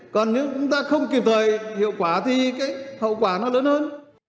còn nếu chúng ta không kịp thời hiệu quả thì cái hậu quả nó lớn hơn